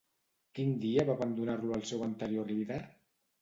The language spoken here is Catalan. Quin dia va abandonar-lo el seu anterior líder?